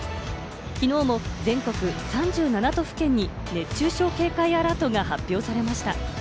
きのうも全国３７都府県に熱中症警戒アラートが発表されました。